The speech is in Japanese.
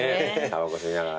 たばこ吸いながら。